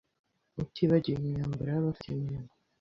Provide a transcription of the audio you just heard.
utibagiwe imyambaro y’abafite imirimo